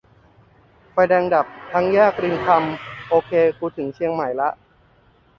"ไฟแดงดับทั้งแยกรินคำ โอเค กูถึงเชียงใหม่ละ"